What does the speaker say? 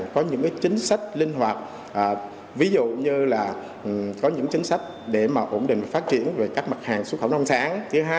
có những chứng sách để ổn định phát triển các mặt hàng xuất khẩu nông sản